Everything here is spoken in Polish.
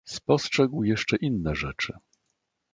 "Spostrzegł jeszcze inne rzeczy."